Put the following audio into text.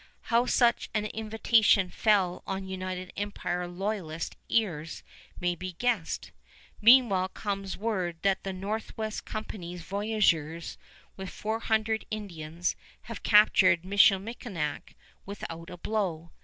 How such an invitation fell on United Empire Loyalist ears may be guessed. Meanwhile comes word that the Northwest Company's voyageurs, with four hundred Indians, have captured Michilimackinac without a blow.